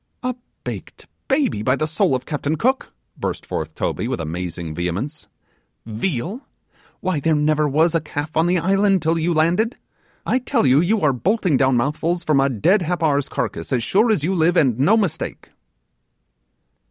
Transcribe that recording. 'A baked baby, by the soul of Captain Cook!' burst forth Toby, with amazing vehemence; 'Veal? why there never was a calf on the island till you landed. I tell you you are bolting down mouthfuls from a dead Happar's carcass, as sure as you live, and no mistake!